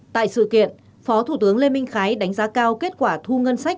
tại sự kiện phó thủ tướng lê minh khái đánh giá cao kết quả thu ngân sách